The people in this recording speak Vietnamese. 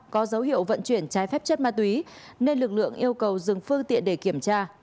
có dấu hiệu vận chuyển trái phép chất ma túy nên lực lượng yêu cầu dừng phương tiện để kiểm tra